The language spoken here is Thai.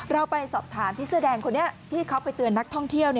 เราไปสอบถามพี่เสื้อแดงคนนี้ที่เขาไปเตือนนักท่องเที่ยว